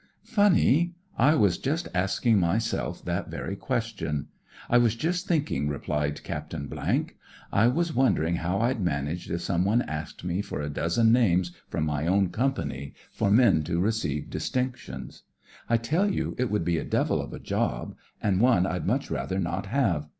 " Funny 1 I was just asking myself that very question. I was just thinking," replied Captain ." I was wondering how I'd manage if somebody asked me for a dozen names from my own Com pany, for men to receive distinctions. I tell you it would be a devil of a job, and one I'd much rather not have.